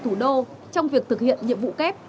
thủ đô trong việc thực hiện nhiệm vụ kép